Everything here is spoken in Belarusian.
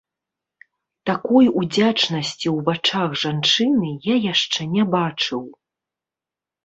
Такой удзячнасці ў вачах жанчыны я яшчэ не бачыў.